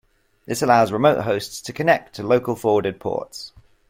This allows remote hosts to connect to local forwarded ports.